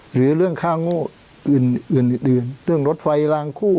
หรือเรื่องค่าโง่อื่นเรื่องรถไฟลางคู่